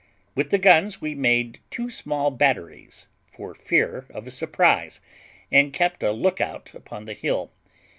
With the guns we made two small batteries, for fear of a surprise, and kept a look out upon the hill.